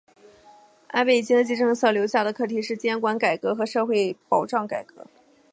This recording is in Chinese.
安倍经济政策留下课题的是监管改革和社会保障改革。